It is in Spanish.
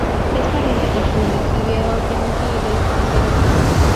Es pariente próximo del jilguero yanqui y del jilguero gris.